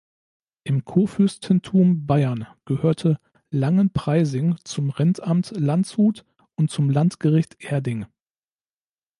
Im Kurfürstentum Bayern gehörte Langenpreising zum Rentamt Landshut und zum Landgericht Erding.